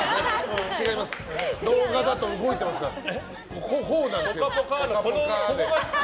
動画だと動いてますから。